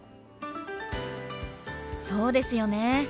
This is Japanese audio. そうですよね。